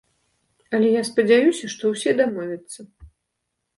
Але я спадзяюся, што ўсе дамовяцца.